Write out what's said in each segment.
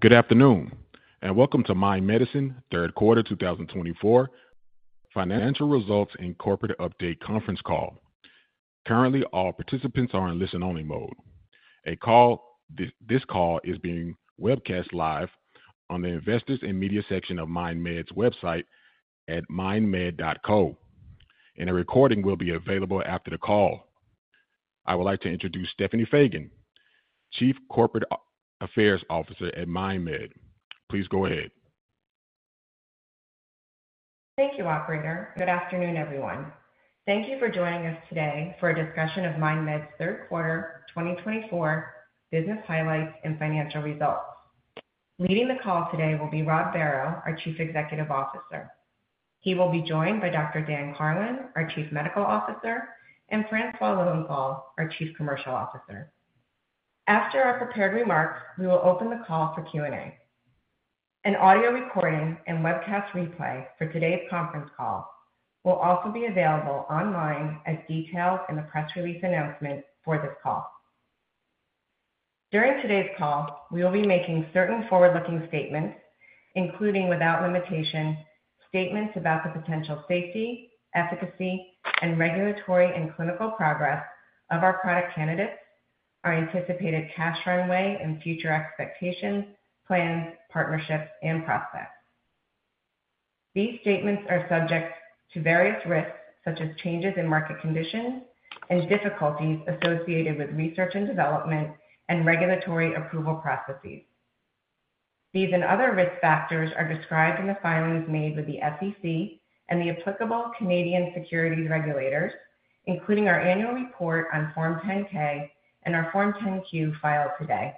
Good afternoon, and welcome to Mind Medicine Third Quarter 2024 Financial Results and Corporate Update Conference Call. Currently, all participants are in listen-only mode. This call is being webcast live on the investors and media section of MindMed's website at mindmed.co, and a recording will be available after the call. I would like to introduce Stephanie Fagan, Chief Corporate Affairs Officer at MindMed. Please go ahead. Thank you, Operator. Good afternoon, everyone. Thank you for joining us today for a discussion of MindMed's third quarter 2024 business highlights and financial results. Leading the call today will be Rob Barrow, our Chief Executive Officer. He will be joined by Dr. Dan Karlin, our Chief Medical Officer, and Francois Lilienthal, our Chief Commercial Officer. After our prepared remarks, we will open the call for Q&A. An audio recording and webcast replay for today's conference call will also be available online as detailed in the press release announcement for this call. During today's call, we will be making certain forward-looking statements, including without limitation, statements about the potential safety, efficacy, and regulatory and clinical progress of our product candidates, our anticipated cash runway, and future expectations, plans, partnerships, and prospects. These statements are subject to various risks, such as changes in market conditions and difficulties associated with research and development and regulatory approval processes. These and other risk factors are described in the filings made with the SEC and the applicable Canadian securities regulators, including our annual report on Form 10-K and our Form 10-Q filed today.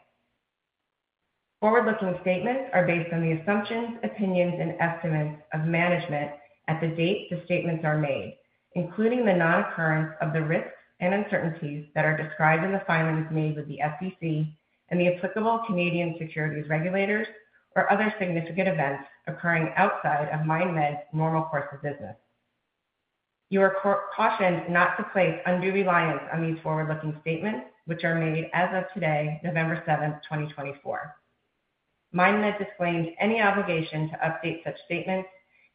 Forward-looking statements are based on the assumptions, opinions, and estimates of management at the date the statements are made, including the non-occurrence of the risks and uncertainties that are described in the filings made with the SEC and the applicable Canadian securities regulators or other significant events occurring outside of MindMed's normal course of business. You are cautioned not to place undue reliance on these forward-looking statements, which are made as of today, November 7th, 2024. MindMed disclaims any obligation to update such statements,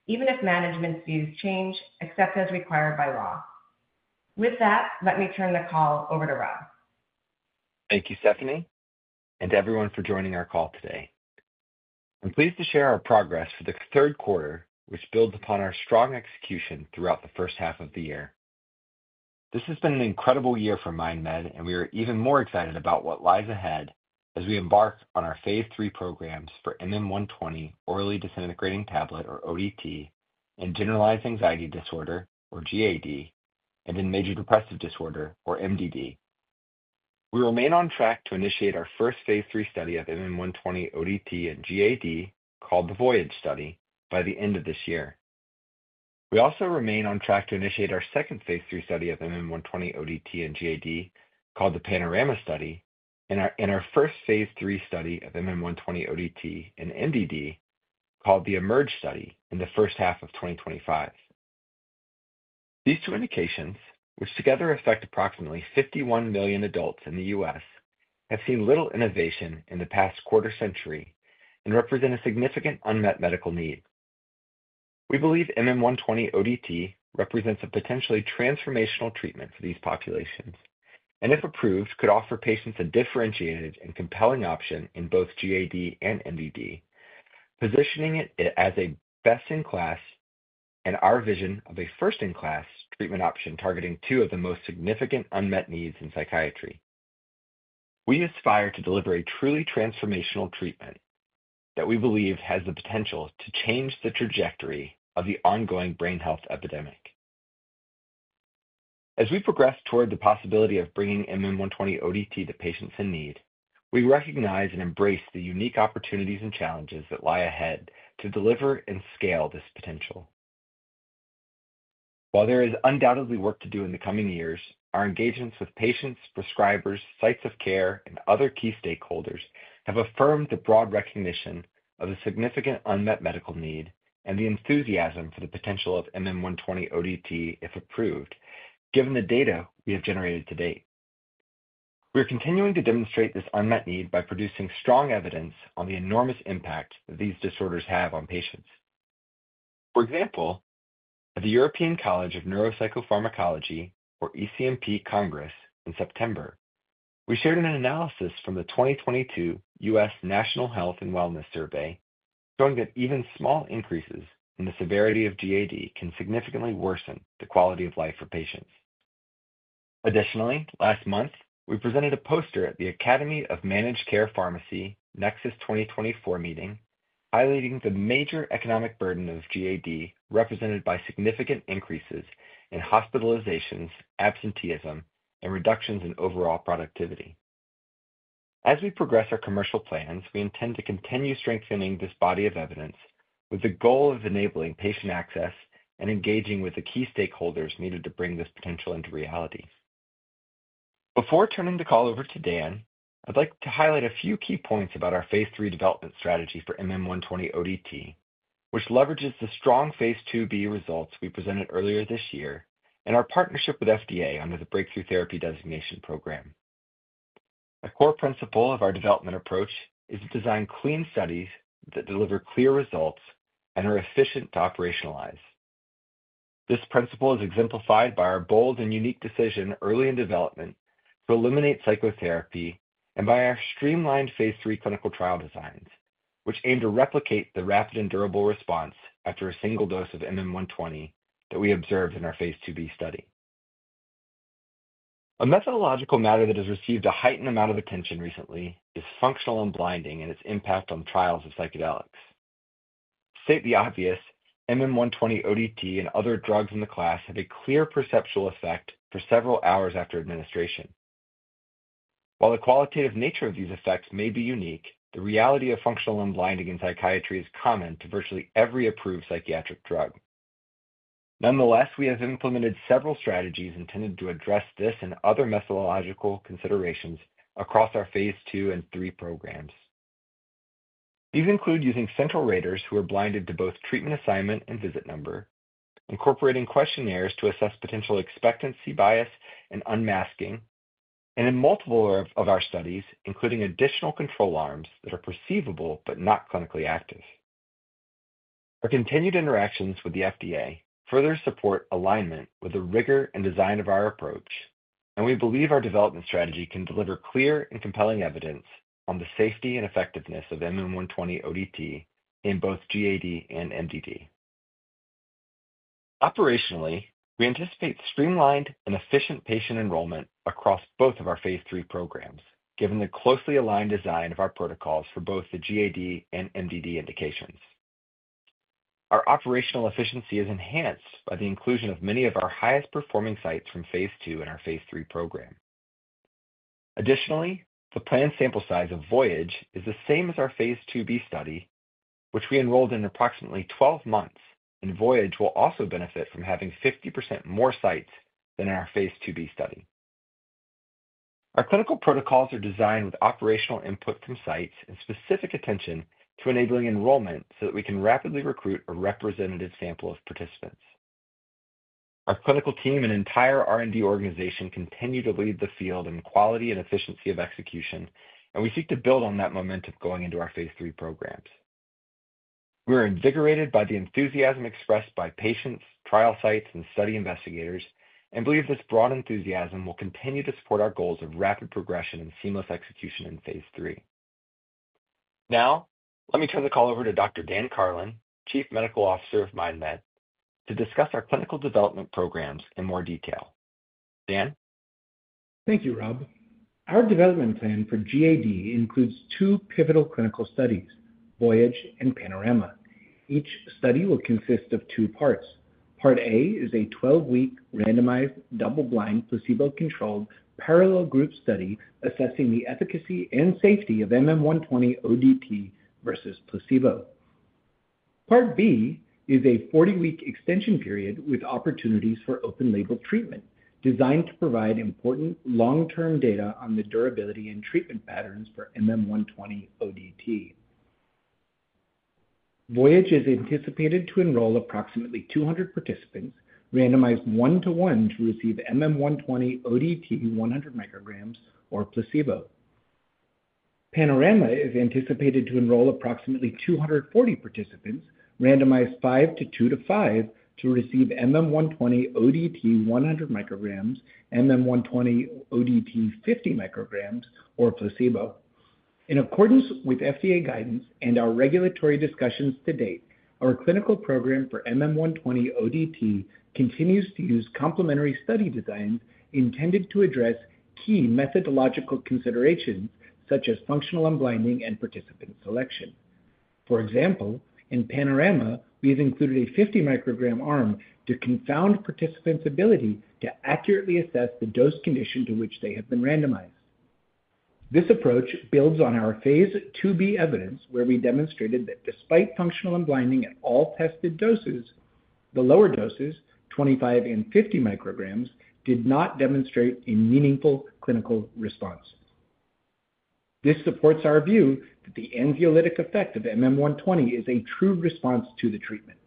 even if management's views change, except as required by law. With that, let me turn the call over to Rob. Thank you, Stephanie, and everyone for joining our call today. I'm pleased to share our progress for the third quarter, which builds upon our strong execution throughout the first half of the year. This has been an incredible year for MindMed, and we are even more excited about what lies ahead as we embark on our phase III programs for MM-120, Orally Disintegrating Tablet, or ODT, and Generalized Anxiety Disorder, or GAD, and in Major Depressive Disorder, or MDD. We remain on track to initiate our first phase III study of MM-120, ODT, and GAD, called the Voyage Study, by the end of this year. We also remain on track to initiate our second phase III study of MM-120, ODT, and GAD, called the Panorama Study, and our first phase III study of MM-120, ODT, and MDD, called the Emerge Study, in the first half of 2025. These two indications, which together affect approximately 51 million adults in the U.S., have seen little innovation in the past quarter century and represent a significant unmet medical need. We believe MM-120 ODT represents a potentially transformational treatment for these populations, and if approved, could offer patients a differentiated and compelling option in both GAD and MDD, positioning it as a best-in-class and our vision of a first-in-class treatment option targeting two of the most significant unmet needs in psychiatry. We aspire to deliver a truly transformational treatment that we believe has the potential to change the trajectory of the ongoing brain health epidemic. As we progress toward the possibility of bringing MM-120 ODT to patients in need, we recognize and embrace the unique opportunities and challenges that lie ahead to deliver and scale this potential. While there is undoubtedly work to do in the coming years, our engagements with patients, prescribers, sites of care, and other key stakeholders have affirmed the broad recognition of a significant unmet medical need and the enthusiasm for the potential of MM-120 ODT, if approved, given the data we have generated to date. We are continuing to demonstrate this unmet need by producing strong evidence on the enormous impact these disorders have on patients. For example, at the European College of Neuropsychopharmacology, or ECNP, Congress in September, we shared an analysis from the 2022 U.S. National Health and Wellness Survey showing that even small increases in the severity of GAD can significantly worsen the quality of life for patients. Additionally, last month, we presented a poster at the Academy of Managed Care Pharmacy Nexus 2024 meeting, highlighting the major economic burden of GAD represented by significant increases in hospitalizations, absenteeism, and reductions in overall productivity. As we progress our commercial plans, we intend to continue strengthening this body of evidence with the goal of enabling patient access and engaging with the key stakeholders needed to bring this potential into reality. Before turning the call over to Dan, I'd like to highlight a few key points about our phase III development strategy for MM-120 ODT, which leverages the strong phase IIb results we presented earlier this year and our partnership with FDA under the Breakthrough Therapy Designation Program. A core principle of our development approach is to design clean studies that deliver clear results and are efficient to operationalize. This principle is exemplified by our bold and unique decision early in development to eliminate psychotherapy and by our streamlined phase III clinical trial designs, which aim to replicate the rapid and durable response after a single dose of MM-120 that we observed in our phase IIb study. A methodological matter that has received a heightened amount of attention recently is functional unblinding and its impact on trials of psychedelics. To state the obvious, MM-120 ODT, and other drugs in the class have a clear perceptual effect for several hours after administration. While the qualitative nature of these effects may be unique, the reality of functional unblinding in psychiatry is common to virtually every approved psychiatric drug. Nonetheless, we have implemented several strategies intended to address this and other methodological considerations across our phase II and III programs. These include using central raters who are blinded to both treatment assignment and visit number, incorporating questionnaires to assess potential expectancy bias and unmasking, and in multiple of our studies, including additional control arms that are perceivable but not clinically active. Our continued interactions with the FDA further support alignment with the rigor and design of our approach, and we believe our development strategy can deliver clear and compelling evidence on the safety and effectiveness of MM-120 ODT in both GAD and MDD. Operationally, we anticipate streamlined and efficient patient enrollment across both of our phase III programs, given the closely aligned design of our protocols for both the GAD and MDD indications. Our operational efficiency is enhanced by the inclusion of many of our highest-performing sites from phase II in our phase III program. Additionally, the planned sample size of Voyage is the same as our phase IIb study, which we enrolled in approximately 12 months, and Voyage will also benefit from having 50% more sites than in our phase IIb study. Our clinical protocols are designed with operational input from sites and specific attention to enabling enrollment so that we can rapidly recruit a representative sample of participants. Our clinical team and entire R&D organization continue to lead the field in quality and efficiency of execution, and we seek to build on that momentum going into our phase III programs. We are invigorated by the enthusiasm expressed by patients, trial sites, and study investigators, and believe this broad enthusiasm will continue to support our goals of rapid progression and seamless execution in phase III. Now, let me turn the call over to Dr. Dan Karlin, Chief Medical Officer of MindMed, to discuss our clinical development programs in more detail. Dan? Thank you, Rob. Our development plan for GAD includes two pivotal clinical studies, Voyage and Panorama. Each study will consist of two parts. Part A is a 12-week randomized double-blind placebo-controlled parallel group study assessing the efficacy and safety of MM-120 ODT versus placebo. Part B is a 40-week extension period with opportunities for open-label treatment, designed to provide important long-term data on the durability and treatment patterns for MM-120 ODT. Voyage is anticipated to enroll approximately 200 participants, randomized one-to-one to receive MM-120 ODT 100 micrograms, or placebo. Panorama is anticipated to enroll approximately 240 participants, randomized five-to-two-to-five to receive MM-120 ODT 100 micrograms, MM-120 ODT 50 micrograms, or placebo. In accordance with FDA guidance and our regulatory discussions to date, our clinical program for MM-120 ODT continues to use complementary study designs intended to address key methodological considerations such as functional unblinding and participant selection. For example, in Panorama, we have included a 50-microgram arm to confound participants' ability to accurately assess the dose condition to which they have been randomized. This approach builds on our phase IIb evidence, where we demonstrated that despite functional unblinding at all tested doses, the lower doses, 25 and 50 micrograms, did not demonstrate a meaningful clinical response. This supports our view that the anxiolytic effect of MM-120 is a true response to the treatment.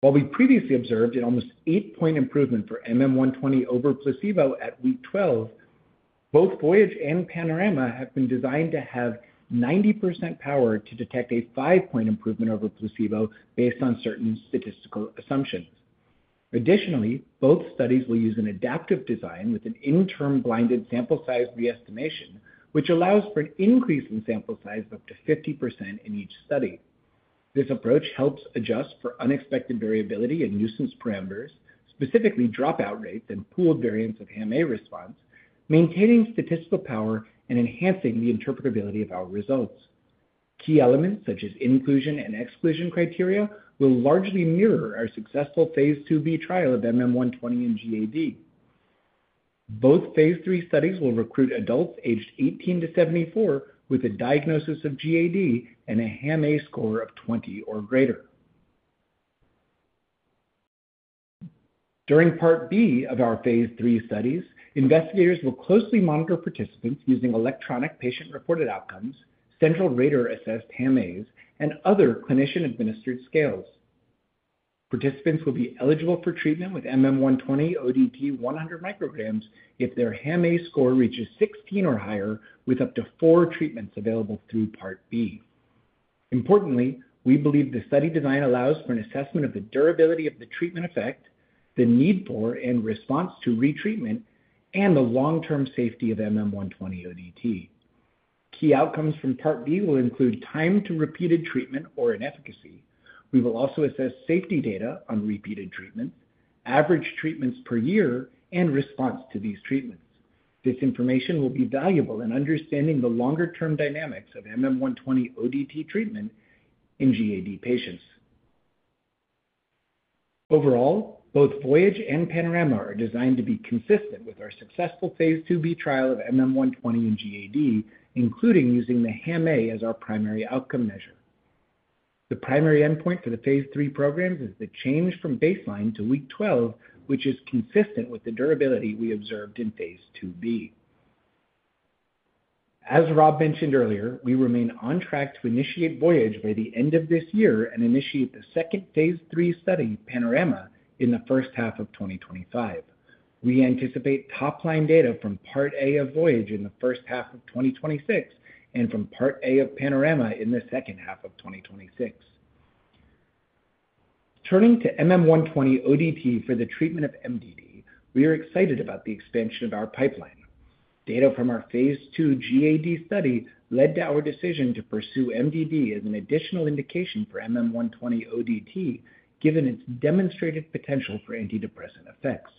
While we previously observed an almost 8-point improvement for MM-120 over placebo at week 12, both Voyage and Panorama have been designed to have 90% power to detect a 5-point improvement over placebo based on certain statistical assumptions. Additionally, both studies will use an adaptive design with an interim blinded sample size re-estimation, which allows for an increase in sample size of up to 50% in each study. This approach helps adjust for unexpected variability and nuisance parameters, specifically dropout rates and pooled variance of HAM-A response, maintaining statistical power and enhancing the interpretability of our results. Key elements such as inclusion and exclusion criteria will largely mirror our successful phase IIb trial of MM-120 and GAD. Both phase III studies will recruit adults aged 18 to 74 with a diagnosis of GAD and a HAM-A score of 20 or greater. During Part B of our phase III studies, investigators will closely monitor participants using electronic patient-reported outcomes, central rater-assessed HAM-As, and other clinician-administered scales. Participants will be eligible for treatment with MM-120 ODT 100 micrograms if their HAM-A score reaches 16 or higher, with up to four treatments available through Part B. Importantly, we believe the study design allows for an assessment of the durability of the treatment effect, the need for and response to retreatment, and the long-term safety of MM-120 ODT. Key outcomes from Part B will include time to repeated treatment or inefficacy. We will also assess safety data on repeated treatments, average treatments per year, and response to these treatments. This information will be valuable in understanding the longer-term dynamics of MM-120 ODT treatment in GAD patients. Overall, both Voyage and Panorama are designed to be consistent with our successful phase IIb trial of MM-120 and GAD, including using the HAM-A as our primary outcome measure. The primary endpoint for the phase III programs is the change from baseline to week 12, which is consistent with the durability we observed in phase IIb. As Rob mentioned earlier, we remain on track to initiate Voyage by the end of this year and initiate the second phase III study, Panorama, in the first half of 2025. We anticipate top-line data from Part A of Voyage in the first half of 2026 and from Part A of Panorama in the second half of 2026. Turning to MM-120 ODT for the treatment of MDD, we are excited about the expansion of our pipeline. Data from our phase II GAD study led to our decision to pursue MDD as an additional indication for MM-120 ODT, given its demonstrated potential for antidepressant effects.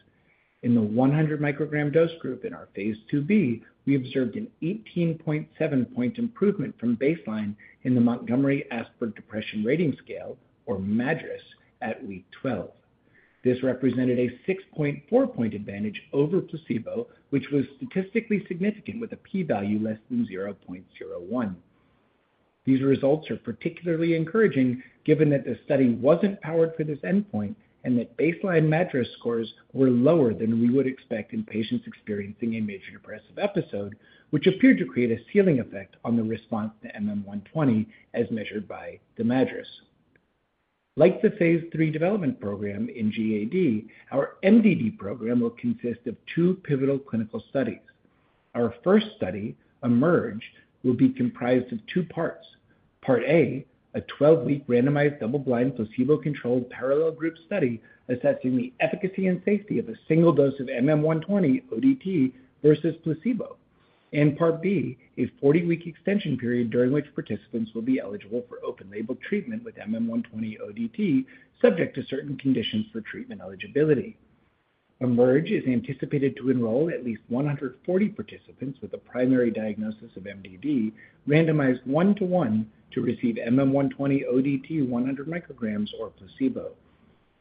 In the 100-microgram dose group in our phase IIb, we observed an 18.7-point improvement from baseline in the Montgomery-Åsberg Depression Rating Scale, or MADRS, at week 12. This represented a 6.4-point advantage over placebo, which was statistically significant with a p-value less than 0.01. These results are particularly encouraging given that the study wasn't powered for this endpoint and that baseline MADRS scores were lower than we would expect in patients experiencing a major depressive episode, which appeared to create a ceiling effect on the response to MM-120 as measured by the MADRS. Like the phase III development program in GAD, our MDD program will consist of two pivotal clinical studies. Our first study, Emerge, will be comprised of two parts. Part A, a 12-week randomized double-blind placebo-controlled parallel group study assessing the efficacy and safety of a single dose of MM-120 ODT versus placebo, and Part B, a 40-week extension period during which participants will be eligible for open-label treatment with MM-120 ODT, subject to certain conditions for treatment eligibility. Emerge is anticipated to enroll at least 140 participants with a primary diagnosis of MDD, randomized one-to-one to receive MM-120 ODT 100 micrograms or placebo.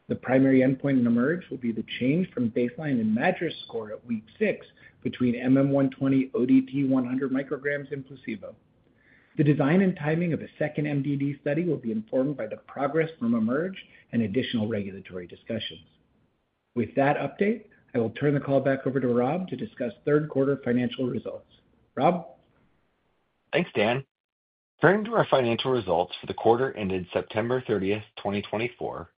The primary endpoint in Emerge will be the change from baseline in MADRS score at week 6 between MM-120 ODT 100 micrograms and placebo. The design and timing of a second MDD study will be informed by the progress from Emerge and additional regulatory discussions. With that update, I will turn the call back over to Rob to discuss third quarter financial results. Rob? Thanks, Dan. Turning to our financial results for the quarter ended September 30th, 2024,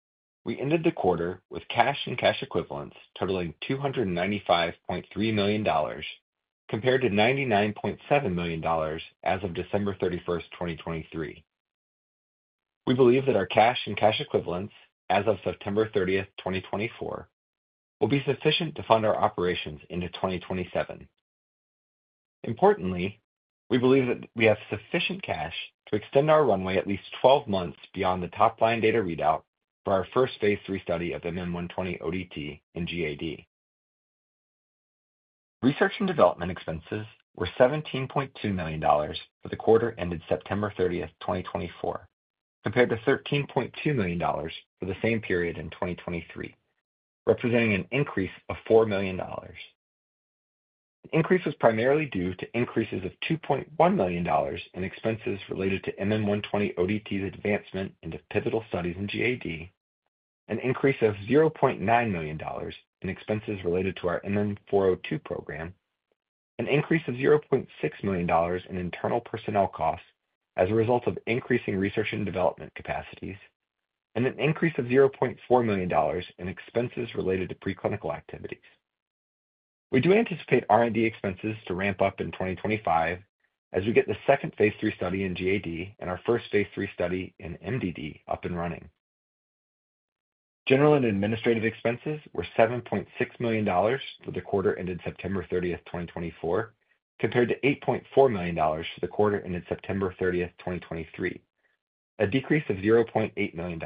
we ended the quarter with cash and cash equivalents totaling $295.3 million, compared to $99.7 million as of December 31st, 2023. We believe that our cash and cash equivalents as of September 30th, 2024, will be sufficient to fund our operations into 2027. Importantly, we believe that we have sufficient cash to extend our runway at least 12 months beyond the top-line data readout for our first phase III study of MM-120, ODT and GAD. Research and development expenses were $17.2 million for the quarter ended September 30th, 2024, compared to $13.2 million for the same period in 2023, representing an increase of $4 million. The increase was primarily due to increases of $2.1 million in expenses related to MM-120 ODT's advancement into pivotal studies in GAD, an increase of $0.9 million in expenses related to our MM-402 program, an increase of $0.6 million in internal personnel costs as a result of increasing research and development capacities, and an increase of $0.4 million in expenses related to preclinical activities. We do anticipate R&D expenses to ramp up in 2025 as we get the second phase III study in GAD and our first phase III study in MDD up and running. General and administrative expenses were $7.6 million for the quarter ended September 30th, 2024, compared to $8.4 million for the quarter ended September 30th, 2023, a decrease of $0.8 million.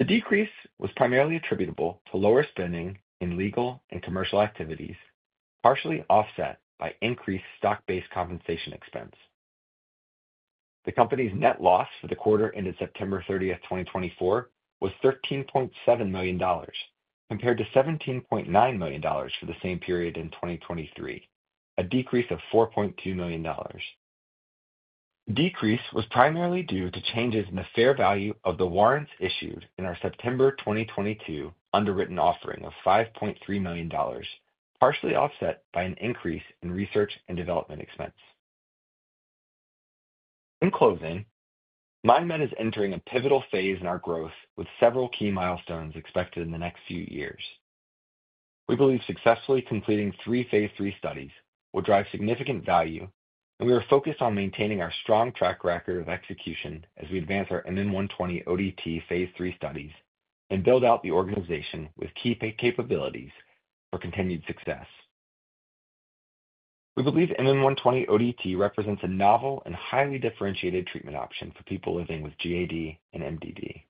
The decrease was primarily attributable to lower spending in legal and commercial activities, partially offset by increased stock-based compensation expense. The company's net loss for the quarter ended September 30th, 2024, was $13.7 million, compared to $17.9 million for the same period in 2023, a decrease of $4.2 million. The decrease was primarily due to changes in the fair value of the warrants issued in our September 2022 underwritten offering of $5.3 million, partially offset by an increase in research and development expense. In closing, MindMed is entering a pivotal phase in our growth with several key milestones expected in the next few years. We believe successfully completing three phase III studies will drive significant value, and we are focused on maintaining our strong track record of execution as we advance our MM-120 ODT phase III studies and build out the organization with key capabilities for continued success. We believe MM-120 ODT represents a novel and highly differentiated treatment option for people living with GAD and MDD.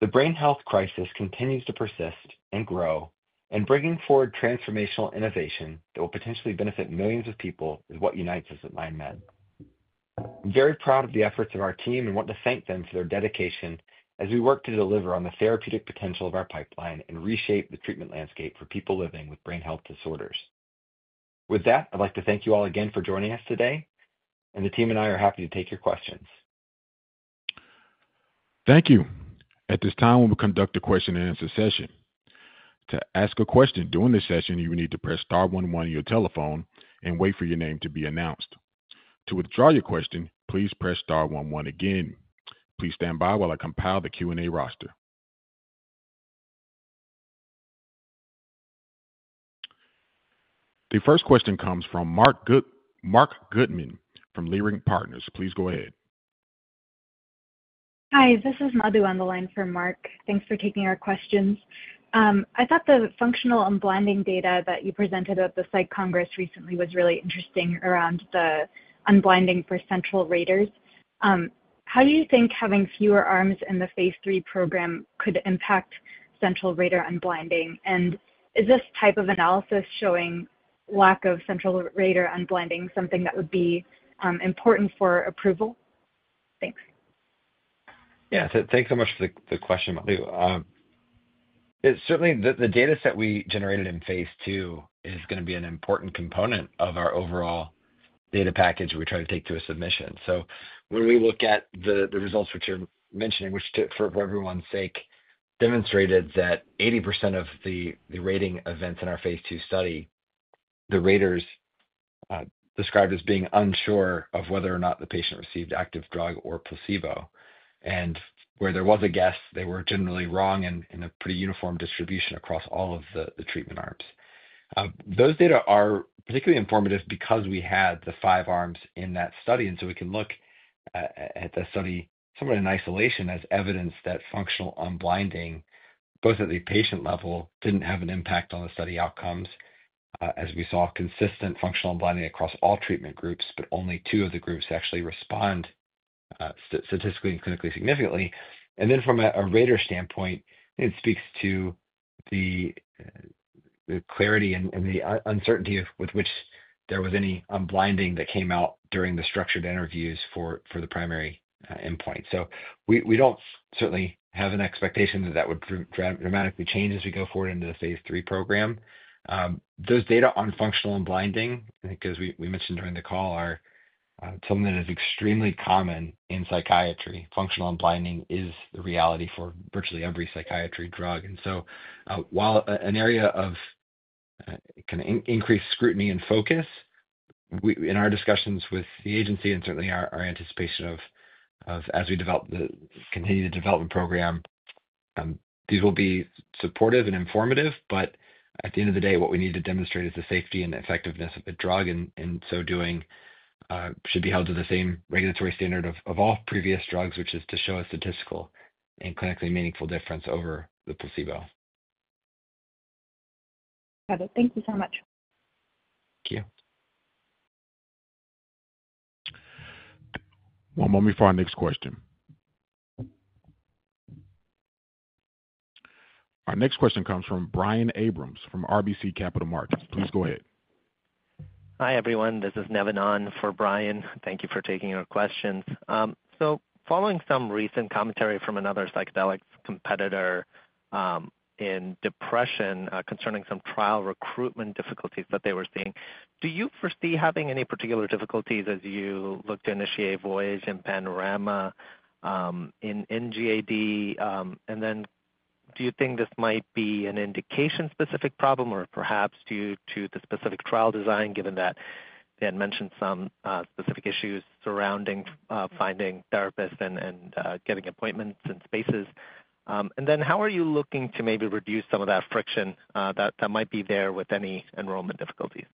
The brain health crisis continues to persist and grow, and bringing forward transformational innovation that will potentially benefit millions of people is what unites us at MindMed. I'm very proud of the efforts of our team and want to thank them for their dedication as we work to deliver on the therapeutic potential of our pipeline and reshape the treatment landscape for people living with brain health disorders. With that, I'd like to thank you all again for joining us today, and the team and I are happy to take your questions. Thank you. At this time, we will conduct a question-and-answer session. To ask a question during this session, you will need to press star one-one on your telephone and wait for your name to be announced. To withdraw your question, please press star one-one again. Please stand by while I compile the Q&A roster. The first question comes from Marc Goodman from Leerink Partners. Please go ahead. Hi, this is Madhu on the line for Marc. Thanks for taking our questions. I thought the functional unblinding data that you presented at the Psych Congress recently was really interesting around the unblinding for central raters. How do you think having fewer arms in the phase III program could impact central rater unblinding? And is this type of analysis showing lack of central rater unblinding something that would be important for approval? Thanks. Yeah, thanks so much for the question, Madhu. Certainly, the data set we generated in phase II is going to be an important component of our overall data package we try to take to a submission. So when we look at the results, which you're mentioning, which for everyone's sake, demonstrated that 80% of the rating events in our phase II study, the raters described as being unsure of whether or not the patient received active drug or placebo. And where there was a guess, they were generally wrong in a pretty uniform distribution across all of the treatment arms. Those data are particularly informative because we had the five arms in that study. And so we can look at the study somewhat in isolation as evidence that functional unblinding, both at the patient level, didn't have an impact on the study outcomes, as we saw consistent functional unblinding across all treatment groups, but only two of the groups actually respond statistically and clinically significantly. And then from a rater standpoint, it speaks to the clarity and the uncertainty with which there was any unblinding that came out during the structured interviews for the primary endpoint. So we don't certainly have an expectation that that would dramatically change as we go forward into the phase III program. Those data on functional unblinding, I think, as we mentioned during the call, are something that is extremely common in psychiatry. Functional unblinding is the reality for virtually every psychiatry drug. And so while an area of kind of increased scrutiny and focus in our discussions with the agency and certainly our anticipation of as we continue the development program, these will be supportive and informative. But at the end of the day, what we need to demonstrate is the safety and effectiveness of a drug. And so doing should be held to the same regulatory standard of all previous drugs, which is to show a statistical and clinically meaningful difference over the placebo. Got it. Thank you so much. Thank you. One moment before our next question. Our next question comes from Brian Abrams from RBC Capital Markets. Please go ahead. Hi everyone. This is Nevin on for Brian. Thank you for taking our questions. Following some recent commentary from another psychedelics competitor in depression concerning some trial recruitment difficulties that they were seeing, do you foresee having any particular difficulties as you look to initiate Voyage and Panorama in GAD? Then do you think this might be an indication-specific problem or perhaps due to the specific trial design, given that they had mentioned some specific issues surrounding finding therapists and getting appointments and spaces? How are you looking to maybe reduce some of that friction that might be there with any enrollment difficulties?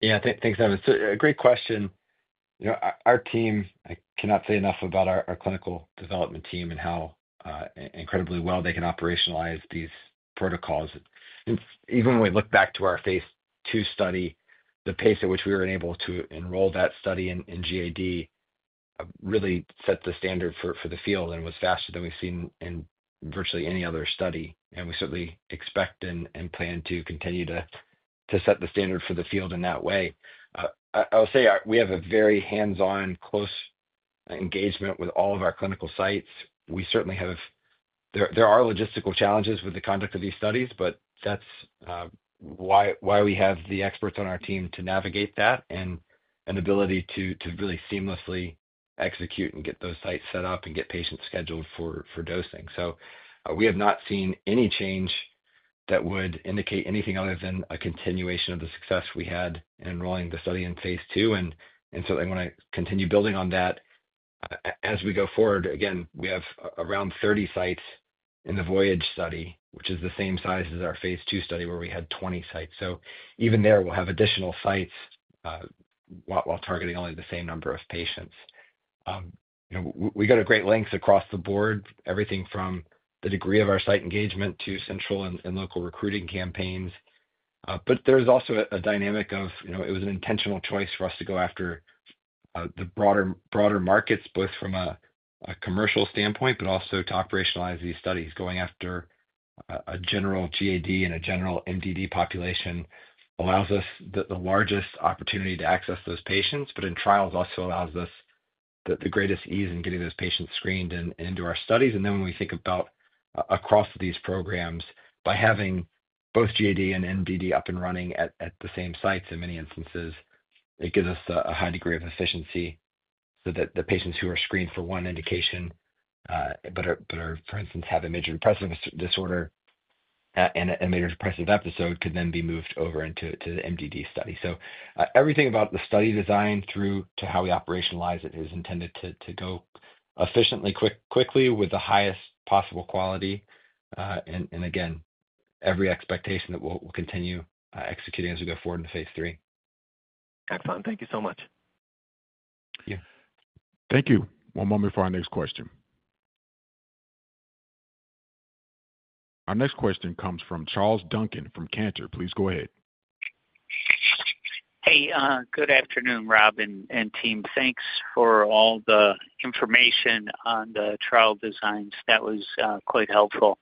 Yeah, thanks, Nevin. So a great question. Our team, I cannot say enough about our clinical development team and how incredibly well they can operationalize these protocols. And even when we look back to our phase II study, the pace at which we were able to enroll that study in GAD really set the standard for the field and was faster than we've seen in virtually any other study. And we certainly expect and plan to continue to set the standard for the field in that way. I will say we have a very hands-on, close engagement with all of our clinical sites. There are logistical challenges with the conduct of these studies, but that's why we have the experts on our team to navigate that and an ability to really seamlessly execute and get those sites set up and get patients scheduled for dosing. So we have not seen any change that would indicate anything other than a continuation of the success we had in enrolling the study in phase II. And certainly, I want to continue building on that as we go forward. Again, we have around 30 sites in the Voyage Study, which is the same size as our phase II study where we had 20 sites. So even there, we'll have additional sites while targeting only the same number of patients. We go to great lengths across the board, everything from the degree of our site engagement to central and local recruiting campaigns. But there's also a dynamic of it was an intentional choice for us to go after the broader markets, both from a commercial standpoint, but also to operationalize these studies. Going after a general GAD and a general MDD population allows us the largest opportunity to access those patients, but in trials also allows us the greatest ease in getting those patients screened into our studies. And then when we think about across these programs, by having both GAD and MDD up and running at the same sites in many instances, it gives us a high degree of efficiency so that the patients who are screened for one indication but, for instance, have a major depressive disorder and a major depressive episode could then be moved over into the MDD study. So everything about the study design through to how we operationalize it is intended to go efficiently, quickly with the highest possible quality. And again, every expectation that we'll continue executing as we go forward into phase III. Excellent. Thank you so much. Thank you. One moment before our next question. Our next question comes from Charles Duncan from Cantor. Please go ahead. Hey, good afternoon, Rob and team. Thanks for all the information on the trial designs. That was quite helpful.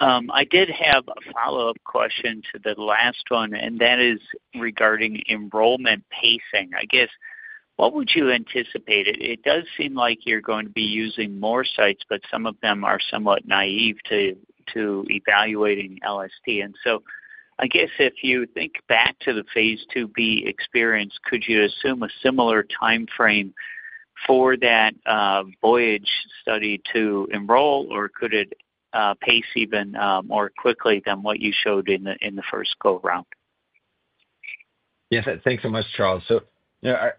I did have a follow-up question to the last one, and that is regarding enrollment pacing. I guess, what would you anticipate? It does seem like you're going to be using more sites, but some of them are somewhat naive to evaluating LSD. And so I guess if you think back to the phase IIb experience, could you assume a similar timeframe for that Voyage Study to enroll, or could it pace even more quickly than what you showed in the first go-round? Yes, thanks so much, Charles. So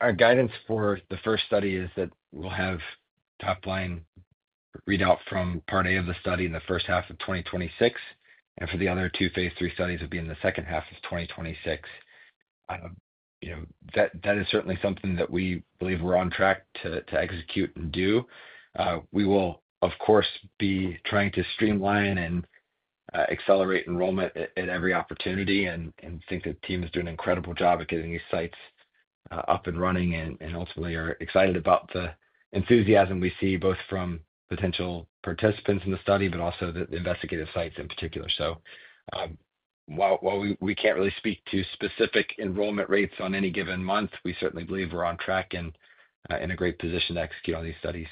our guidance for the first study is that we'll have top-line readout from part A of the study in the first half of 2026, and for the other two phase III studies will be in the second half of 2026. That is certainly something that we believe we're on track to execute and do. We will, of course, be trying to streamline and accelerate enrollment at every opportunity and think the team is doing an incredible job of getting these sites up and running and ultimately are excited about the enthusiasm we see both from potential participants in the study, but also the investigator sites in particular. So while we can't really speak to specific enrollment rates on any given month, we certainly believe we're on track and in a great position to execute on these studies.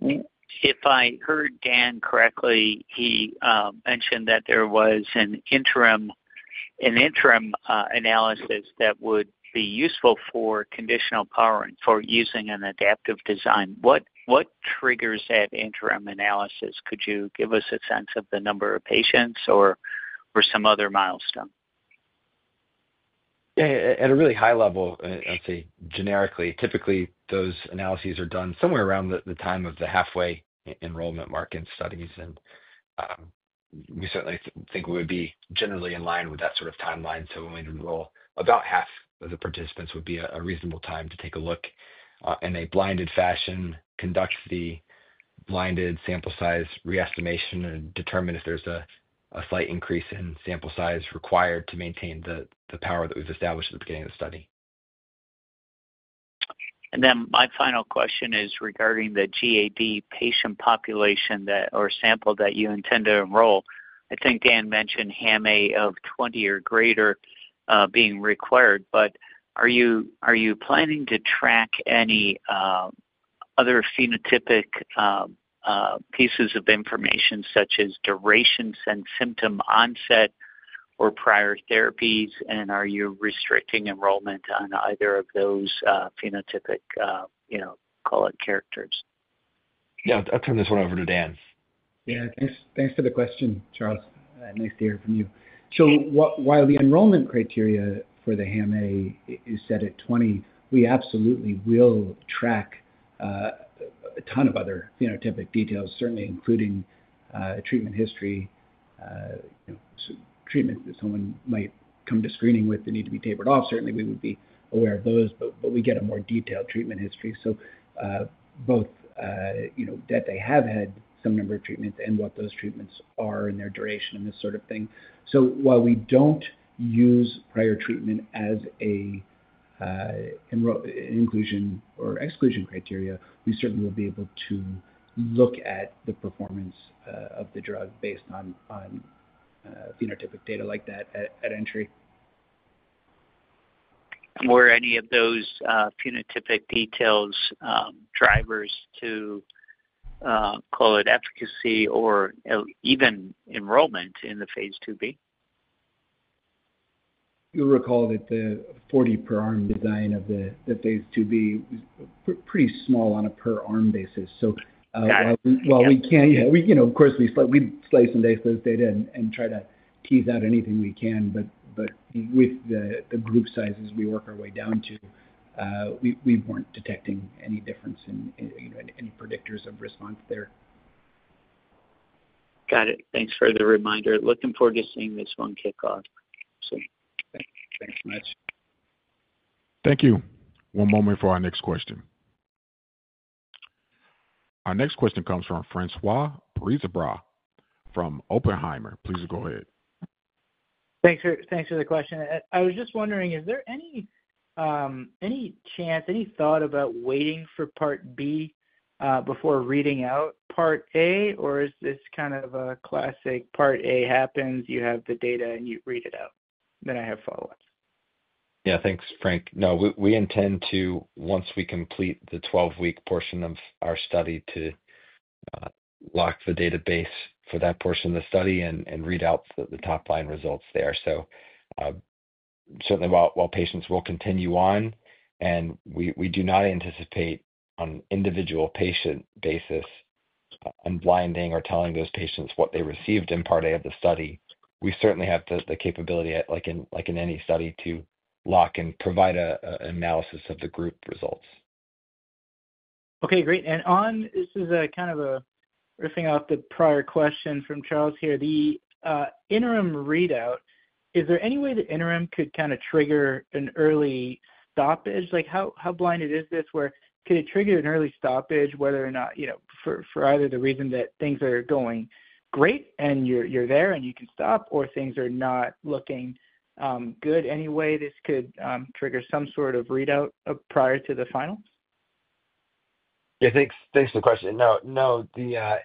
If I heard Dan correctly, he mentioned that there was an interim analysis that would be useful for conditional power and for using an adaptive design. What triggers that interim analysis? Could you give us a sense of the number of patients or some other milestone? At a really high level, I'd say generically, typically those analyses are done somewhere around the time of the halfway enrollment market studies, and we certainly think we would be generally in line with that sort of timeline, so when we enroll, about half of the participants would be a reasonable time to take a look in a blinded fashion, conduct the blinded sample size re-estimation, and determine if there's a slight increase in sample size required to maintain the power that we've established at the beginning of the study. And then my final question is regarding the GAD patient population or sample that you intend to enroll. I think Dan mentioned HAM-A of 20 or greater being required, but are you planning to track any other phenotypic pieces of information such as durations and symptom onset or prior therapies? And are you restricting enrollment on either of those phenotypic, call it, characters? Yeah, I'll turn this one over to Dan. Yeah, thanks for the question, Charles. Nice to hear from you. So while the enrollment criteria for the HAM-A is set at 20, we absolutely will track a ton of other phenotypic details, certainly including treatment history, treatment that someone might come to screening with that need to be tapered off. Certainly, we would be aware of those, but we get a more detailed treatment history. So both that they have had some number of treatments and what those treatments are and their duration and this sort of thing. So while we don't use prior treatment as an inclusion or exclusion criteria, we certainly will be able to look at the performance of the drug based on phenotypic data like that at entry. Were any of those phenotypic details drivers to, call it, efficacy or even enrollment in the phase IIb? You'll recall that the 40 per arm design of the phase IIb was pretty small on a per arm basis. So while we can, of course, we slice and dice those data and try to tease out anything we can, but with the group sizes we work our way down to, we weren't detecting any difference in any predictors of response there. Got it. Thanks for the reminder. Looking forward to seeing this one kick off. Thanks so much. Thank you. One moment before our next question. Our next question comes from François Brisebois from Oppenheimer. Please go ahead. Thanks for the question. I was just wondering, is there any chance, any thought about waiting for Part B before reading out Part A, or is this kind of a classic Part A happens, you have the data and you read it out? Then I have follow-ups. Yeah, thanks, Frank. No, we intend to, once we complete the 12-week portion of our study, to lock the database for that portion of the study and read out the top-line results there. So certainly, while patients will continue on, and we do not anticipate on an individual patient basis unblinding or telling those patients what they received in Part A of the study, we certainly have the capability, like in any study, to lock and provide an analysis of the group results. Okay, great, and this is kind of a riffing off the prior question from Charles here. The interim readout, is there any way the interim could kind of trigger an early stoppage? How blinded is this? Where could it trigger an early stoppage, whether or not for either the reason that things are going great and you're there and you can stop, or things are not looking good anyway? This could trigger some sort of readout prior to the final? Yeah, thanks for the question. No, the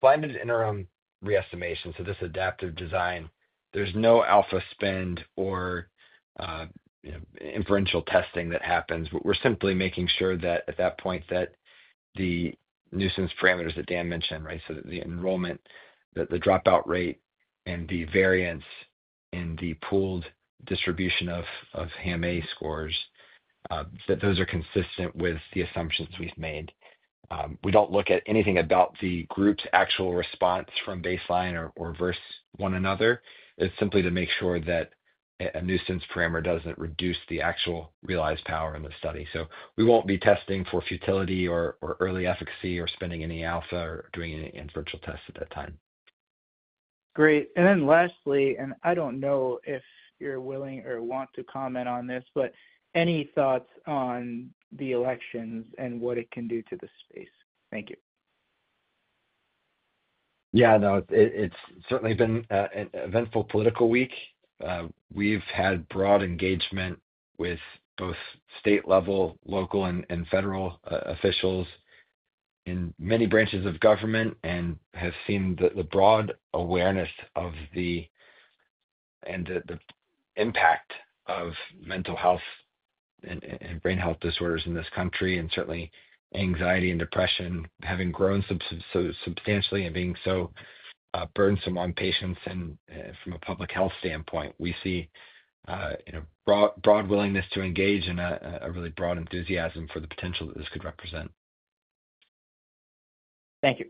blinded interim re-estimation, so this adaptive design, there's no alpha spend or inferential testing that happens. We're simply making sure that at that point that the nuisance parameters that Dan mentioned, right, so the enrollment, the dropout rate, and the variance in the pooled distribution of HAM-A scores, that those are consistent with the assumptions we've made. We don't look at anything about the group's actual response from baseline or versus one another. It's simply to make sure that a nuisance parameter doesn't reduce the actual realized power in the study, so we won't be testing for futility or early efficacy or spending any alpha or doing any inferential tests at that time. Great. And then lastly, and I don't know if you're willing or want to comment on this, but any thoughts on the elections and what it can do to the space? Thank you. Yeah, no, it's certainly been an eventful political week. We've had broad engagement with both state-level, local, and federal officials in many branches of government and have seen the broad awareness of the impact of mental health and brain health disorders in this country, and certainly anxiety and depression having grown substantially and being so burdensome on patients from a public health standpoint. We see broad willingness to engage and a really broad enthusiasm for the potential that this could represent. Thank you.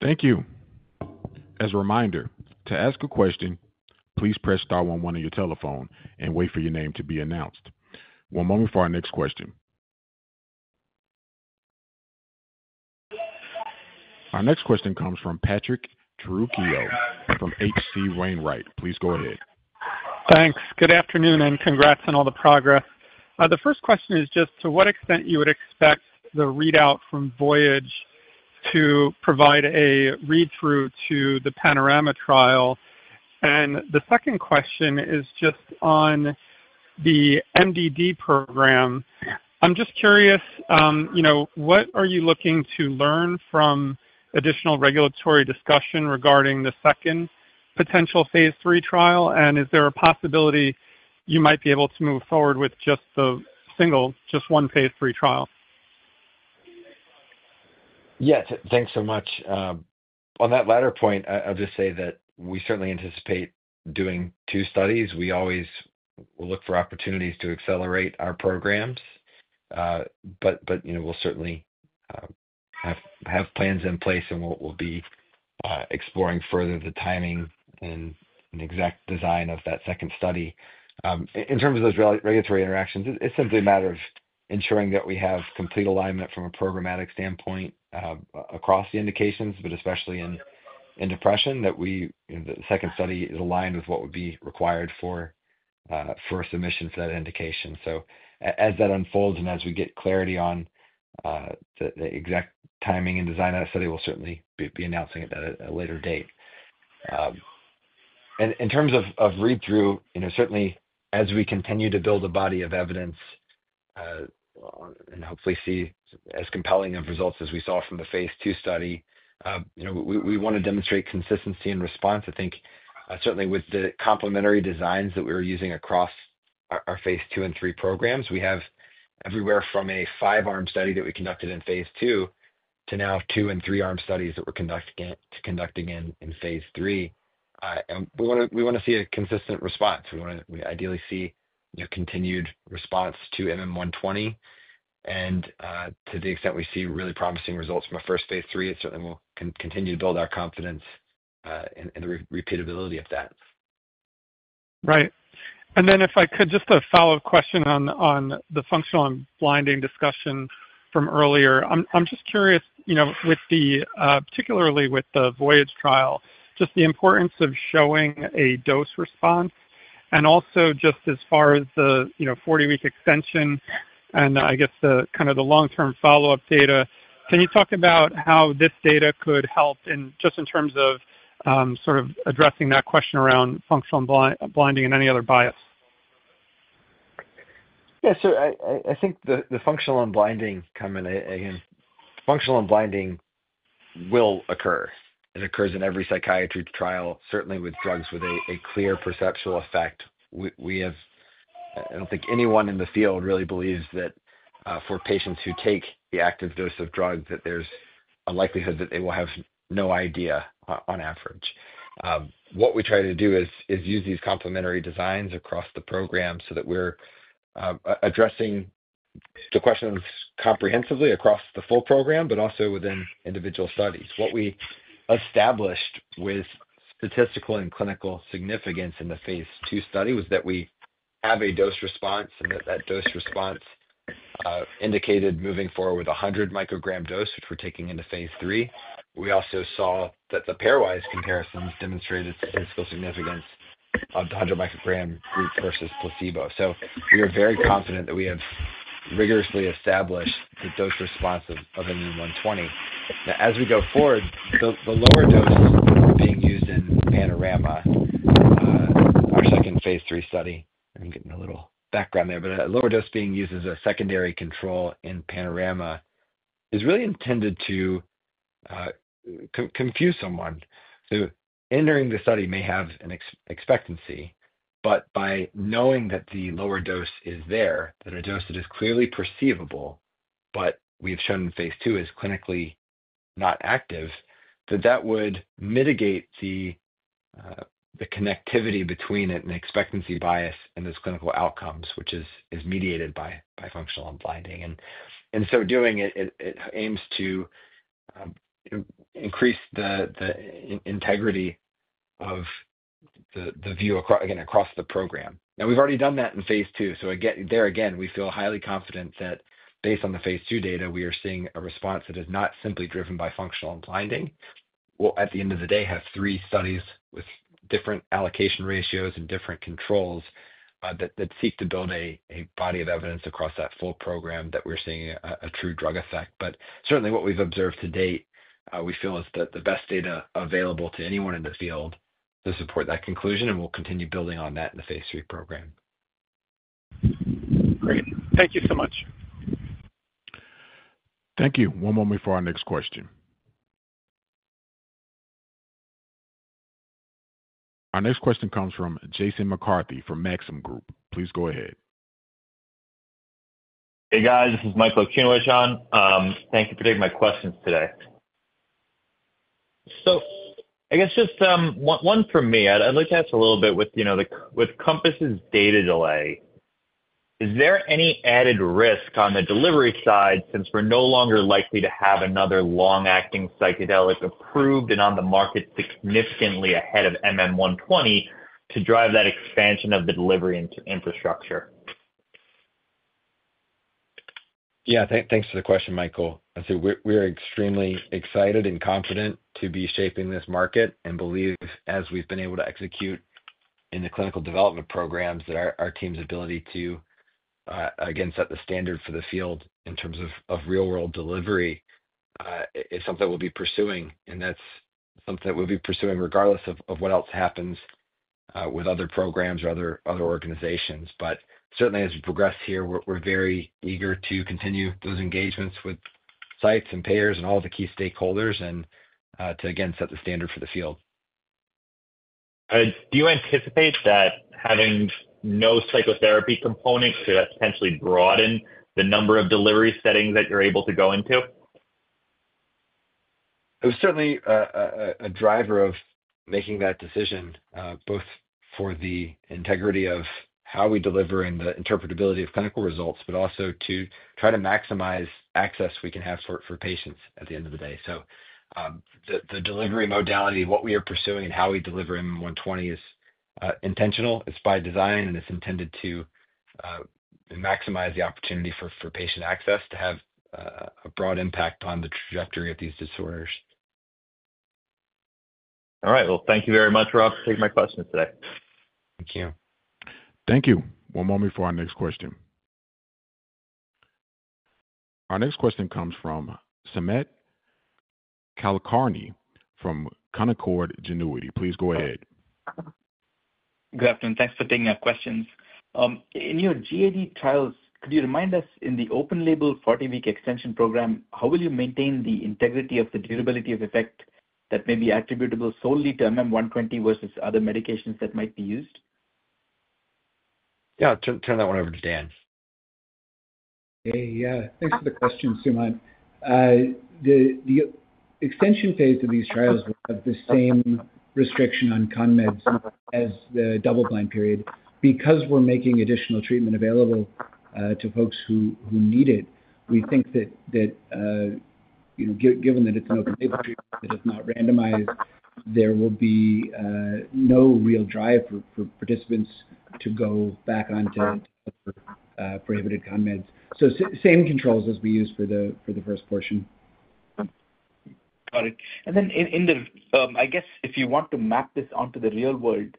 Thank you. As a reminder, to ask a question, please press star one on your telephone and wait for your name to be announced. One moment for our next question. Our next question comes from Patrick Trucchio from H.C. Wainwright. Please go ahead. Thanks. Good afternoon and congrats on all the progress. The first question is just to what extent you would expect the readout from Voyage to provide a read-through to the Panorama trial. And the second question is just on the MDD program. I'm just curious, what are you looking to learn from additional regulatory discussion regarding the second potential phase III trial? And is there a possibility you might be able to move forward with just one phase III trial? Yes, thanks so much. On that latter point, I'll just say that we certainly anticipate doing two studies. We always look for opportunities to accelerate our programs, but we'll certainly have plans in place and we'll be exploring further the timing and exact design of that second study. In terms of those regulatory interactions, it's simply a matter of ensuring that we have complete alignment from a programmatic standpoint across the indications, but especially in depression, that the second study is aligned with what would be required for submission for that indication. So as that unfolds and as we get clarity on the exact timing and design of that study, we'll certainly be announcing it at a later date. In terms of read-through, certainly as we continue to build a body of evidence and hopefully see as compelling of results as we saw from the phase II study, we want to demonstrate consistency in response. I think certainly with the complementary designs that we were using across our phase II and III programs, we have everywhere from a five-arm study that we conducted in phase II to now two and three-arm studies that we're conducting in phase III. We want to see a consistent response. We ideally see continued response to MM-120. To the extent we see really promising results from a first phase III, it certainly will continue to build our confidence in the repeatability of that. Right. And then if I could, just a follow-up question on the functional and blinding discussion from earlier. I'm just curious, particularly with the Voyage trial, just the importance of showing a dose response. And also just as far as the 40-week extension and I guess kind of the long-term follow-up data, can you talk about how this data could help just in terms of sort of addressing that question around functional blinding and any other bias? Yeah, so I think the functional unblinding come in again. Functional unblinding will occur. It occurs in every psychiatry trial, certainly with drugs with a clear perceptual effect. I don't think anyone in the field really believes that for patients who take the active dose of drugs, that there's a likelihood that they will have no idea on average. What we try to do is use these complementary designs across the program so that we're addressing the questions comprehensively across the full program, but also within individual studies. What we established with statistical and clinical significance in the phase II study was that we have a dose response and that that dose response indicated moving forward with a 100-microgram dose, which we're taking into phase III. We also saw that the pairwise comparisons demonstrated statistical significance of the 100-microgram group versus placebo. So we are very confident that we have rigorously established the dose response of MM-120. Now, as we go forward, the lower dose being used in Panorama, our second phase III study, I'm getting a little background there, but a lower dose being used as a secondary control in Panorama is really intended to confuse someone. So entering the study may have an expectancy, but by knowing that the lower dose is there, that a dose that is clearly perceivable, but we've shown in phase II is clinically not active, that that would mitigate the connectivity between it and the expectancy bias and those clinical outcomes, which is mediated by functional unblinding. And so doing it, it aims to increase the integrity of the view, again, across the program. Now, we've already done that in phase II. So there again, we feel highly confident that based on the phase II data, we are seeing a response that is not simply driven by functional and blinding. We'll, at the end of the day, have three studies with different allocation ratios and different controls that seek to build a body of evidence across that full program that we're seeing a true drug effect. But certainly, what we've observed to date, we feel is the best data available to anyone in the field to support that conclusion, and we'll continue building on that in the phase III program. Great. Thank you so much. Thank you. One moment before our next question. Our next question comes from Jason McCarthy from Maxim Group. Please go ahead. Hey, guys. This is Michael Okunewitch. Thank you for taking my questions today. So I guess just one for me. I'd like to ask a little bit with Compass's data delay. Is there any added risk on the delivery side since we're no longer likely to have another long-acting psychedelic approved and on the market significantly ahead of MM-120 to drive that expansion of the delivery into infrastructure? Yeah, thanks for the question, Michael. So we're extremely excited and confident to be shaping this market and believe, as we've been able to execute in the clinical development programs, that our team's ability to, again, set the standard for the field in terms of real-world delivery is something that we'll be pursuing. And that's something that we'll be pursuing regardless of what else happens with other programs or other organizations. But certainly, as we progress here, we're very eager to continue those engagements with sites and payers and all the key stakeholders and to, again, set the standard for the field. Do you anticipate that having no psychotherapy components could potentially broaden the number of delivery settings that you're able to go into? It was certainly a driver of making that decision, both for the integrity of how we deliver and the interpretability of clinical results, but also to try to maximize access we can have for patients at the end of the day. So the delivery modality, what we are pursuing and how we deliver MM120 is intentional. It's by design, and it's intended to maximize the opportunity for patient access to have a broad impact on the trajectory of these disorders. All right. Well, thank you very much, Rob, for taking my questions today. Thank you. Thank you. One moment for our next question. Our next question comes from Sumant Kulkarni from Canaccord Genuity. Please go ahead. Good afternoon. Thanks for taking our questions. In your GAD trials, could you remind us, in the open-label 40-week extension program, how will you maintain the integrity of the durability of effect that may be attributable solely to MM-120 versus other medications that might be used? Yeah, turn that one over to Dan. Hey, yeah. Thanks for the question, Sumant. The extension phase of these trials will have the same restriction on ConMeds as the double-blind period. Because we're making additional treatment available to folks who need it, we think that given that it's an open-label treatment that is not randomized, there will be no real drive for participants to go back onto prohibited ConMeds. So same controls as we used for the first portion. Got it. And then in the I guess if you want to map this onto the real world,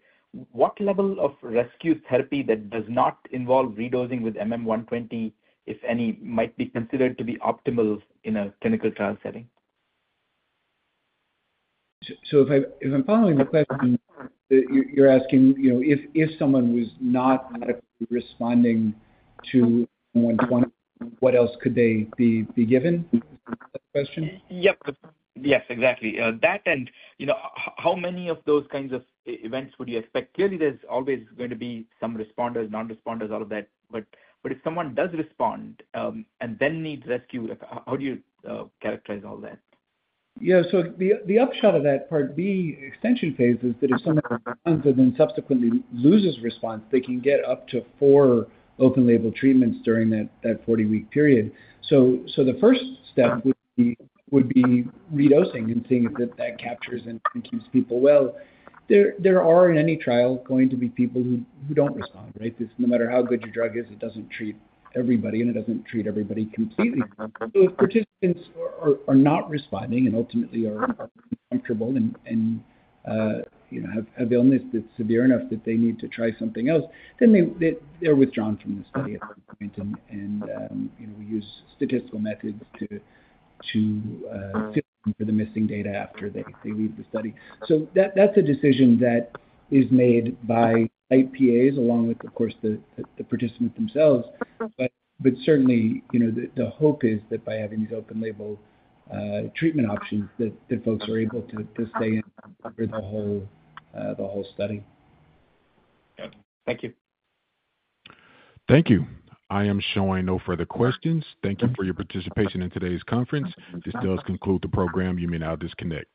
what level of rescue therapy that does not involve re-dosing with MM-120, if any, might be considered to be optimal in a clinical trial setting? So if I'm following the question, you're asking if someone was not medically responding to MM-120, what else could they be given? Is that the question? Yep. Yes, exactly. That and how many of those kinds of events would you expect? Clearly, there's always going to be some responders, non-responders, all of that. But if someone does respond and then needs rescue, how do you characterize all that? Yeah. So the upshot of that part B extension phase is that if someone responds and then subsequently loses response, they can get up to four open-label treatments during that 40-week period. So the first step would be re-dosing and seeing if that captures and keeps people well. There are, in any trial, going to be people who don't respond, right? No matter how good your drug is, it doesn't treat everybody, and it doesn't treat everybody completely. So if participants are not responding and ultimately are uncomfortable and have illness that's severe enough that they need to try something else, then they're withdrawn from the study at some point. And we use statistical methods to fill in for the missing data after they leave the study. So that's a decision that is made by site PIs along with, of course, the participants themselves. But certainly, the hope is that by having these open-label treatment options, that folks are able to stay in for the whole study. Got it. Thank you. Thank you. I am showing no further questions. Thank you for your participation in today's conference. This does conclude the program. You may now disconnect.